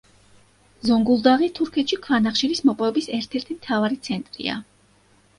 ზონგულდაქი თურქეთში ქვანახშირის მოპოვების ერთ-ერთი მთავარი ცენტრია.